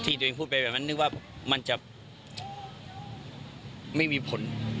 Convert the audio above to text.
ตัวเองพูดไปแบบนั้นนึกว่ามันจะไม่มีผล